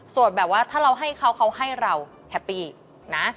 ส่วนแบบว่าถ้าเราให้เขาเขาให้เราแฮปปี้นะ